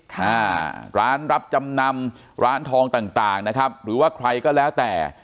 ค่ะร้านรับจำนำร้านทองต่างต่างนะครับหรือว่าใครก็แล้วแต่